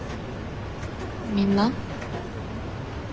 みんな？